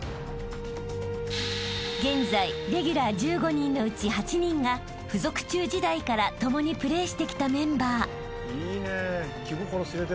［現在レギュラー１５人のうち８人が付属中時代から共にプレーしてきたメンバー］